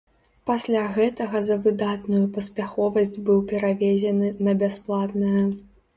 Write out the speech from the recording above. Пасля гэтага за выдатную паспяховасць быў перавезены на бясплатнае.